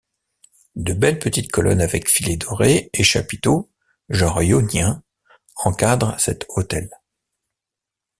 De belles petites colonnes avec filets dorés et chapiteaux genre ionien encadrent cet autel.